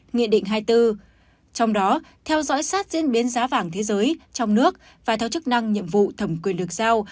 nghị định hai mươi bốn trong đó theo dõi sát diễn biến giá vàng thế giới trong nước và theo chức năng nhiệm vụ thẩm quyền được giao